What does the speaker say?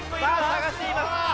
さがしています。